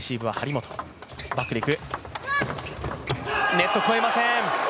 ネットを越えません。